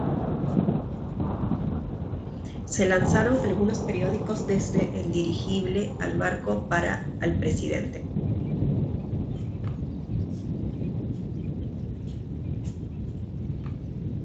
Se lanzaron algunos periódicos desde el dirigible al barco para al presidente.